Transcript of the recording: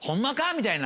みたいな。